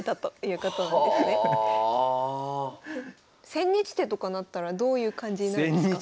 千日手とかなったらどういう感じになるんですか？